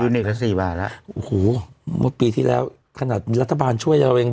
ยูนิกละสี่บาทล่ะโอ้โหหมดปีที่แล้วขนาดรัฐบาลช่วยเราเอง